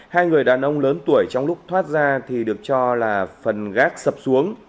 hai người đàn ông lớn tuổi trong lúc thoát ra thì được cho là phần gác sập xuống